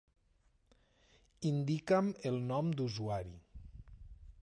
Indica'm el nom d'usuari.